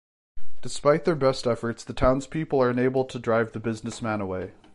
Despite their best efforts, the townspeople are unable to drive the businessman away.